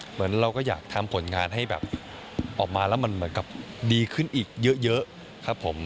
เหมือนเราก็อยากทำผลงานให้แบบออกมาแล้วมันเหมือนกับดีขึ้นอีกเยอะครับผม